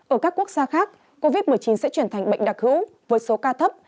ở các quốc gia khác covid một mươi chín sẽ chuyển thành bệnh đặc hữu với số ca thấp